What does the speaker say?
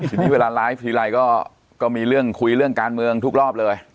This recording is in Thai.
ทีนี้เวลาไลฟ์ทีไรก็มีเรื่องคุยเรื่องการเมืองทุกรอบเลย